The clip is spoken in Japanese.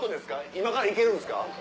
今からいけるんですか？